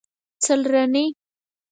څلرنۍ